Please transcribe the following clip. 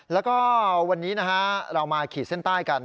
แล้วก็วันนี้นะฮะเรามาขีดเส้นใต้กัน